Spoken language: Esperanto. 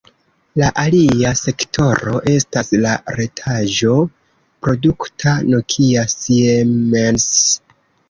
La alia sektoro estas la retaĵo-produkta Nokia-Siemens.